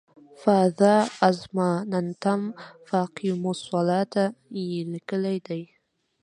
"فاذا اظماننتم فاقیموالصلواته" یې لیکلی دی.